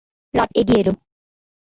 রাত এগিয়ে এল।